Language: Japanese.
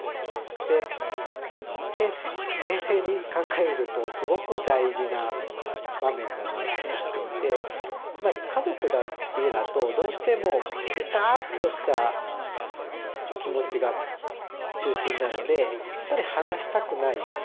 でこれって冷静に考えるとすごく大事な場面だなと思っていてつまり家族だけだとどうしてもべたっとした気持ちが中心なのでやっぱり離したくない。